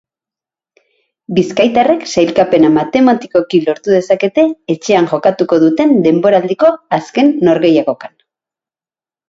Bizkaitarrek sailkapena matematikoki lortu dezakete etxean jokatuko duten denboraldiko azken norgehiagokan.